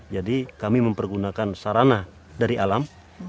jadi kami mempergunakan sarana dari alam